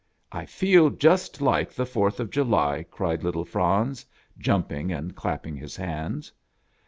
" I feel just like the Fourth of July !" cried little Franz, jumping and clapping his hands.